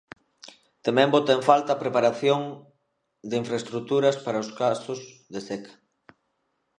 Tamén bota en falta a preparación de infraestruturas para os casos de seca.